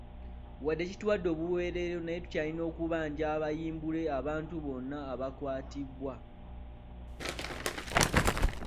Wadde kituwadde obuweerero naye tukyalina okubanja bayimbule abantu bonna abaakwatibwa.